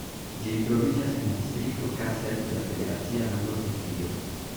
Ĝi troviĝas en la distrikto Kassel de la federacia lando Hesio.